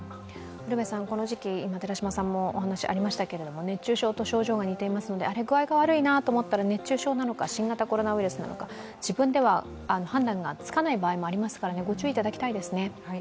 この時季、熱中症と症状が似ていますのであれ、具合が悪いなと思ったら熱中症なのか新型コロナウイルスなのか、自分では判断がつかない場合もありますからご注意いただきたいですね。